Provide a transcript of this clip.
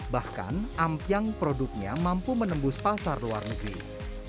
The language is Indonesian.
bahkan ampiang produknya mampu menembus pasar luar negeri